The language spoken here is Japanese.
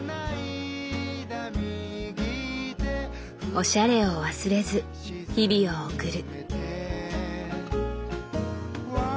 おしゃれを忘れず日々を送る。